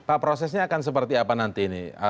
pak prosesnya akan seperti apa nanti ini